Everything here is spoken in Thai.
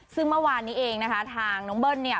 ซึ่งเมื่อวานนี้เองนะคะทางน้องเบิ้ลเนี่ย